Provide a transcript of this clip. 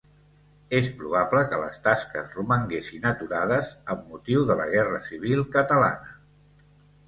És probable que les tasques romanguessin aturades amb motiu de la guerra civil catalana.